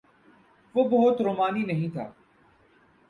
وہ بہت رومانی نہیں تھا۔